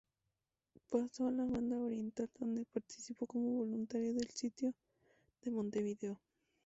Pasó a la Banda Oriental, donde participó como voluntario del Sitio de Montevideo.